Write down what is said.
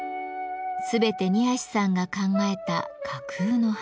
全て二さんが考えた架空の花。